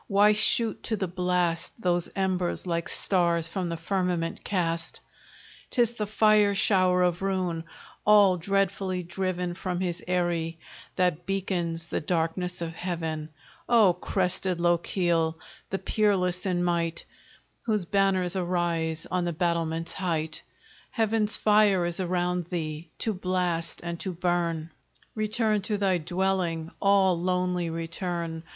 Why shoot to the blast Those embers, like stars from the firmament cast? 'Tis the fire shower of ruin, all dreadfully driven From his eyrie, that beacons the darkness of heaven. O crested Lochiel! the peerless in might, Whose banners arise on the battlements' height, Heaven's fire is around thee, to blast and to burn; Return to thy dwelling! all lonely return!